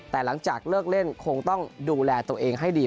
แต่หลังจากเลิกเล่นคงต้องดูแลตัวเองให้ดี